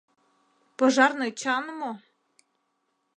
Пожарный чан мо?